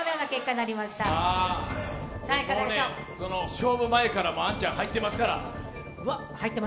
勝負前から杏ちゃん入ってますから。